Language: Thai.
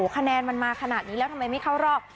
คะแนนมันมาขนาดนี้แล้วทำไมไม่เข้ารอบ